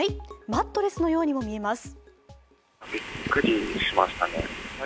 マットレスのようにも見えます。